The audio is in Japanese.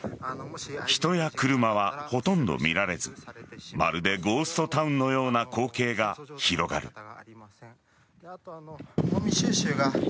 人や車はほとんど見られずまるでゴーストタウンのような光景が広がる。